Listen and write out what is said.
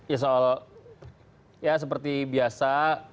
ya soal ya seperti biasa